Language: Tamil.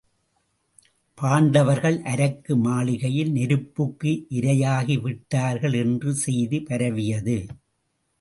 பாண்டவர்கள் அரக்கு மாளிகையில் நெருப்புக்கு இரையாகி விட்டார்கள் என்ற செய்தி பரவியது.